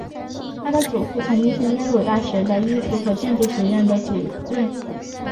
她的祖父曾经是耶鲁大学的艺术和建筑学院的主任。